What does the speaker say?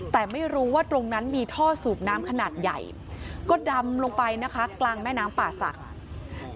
แต่ไม่รู้ว่าตรงนั้นมีท่อสูบน้ำขนาดใหญ่ก็ดำลงไปนะคะกลางแม่น้ำป่าศักดิ์